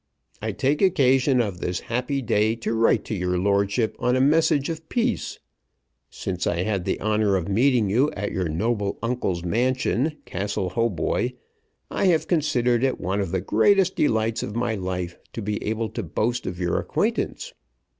I take occasion of this happy day to write to your lordship on a message of peace. Since I had the honour of meeting you at your noble uncle's mansion, Castle Hautboy, I have considered it one of the greatest delights of my life to be able to boast of your acquaintance.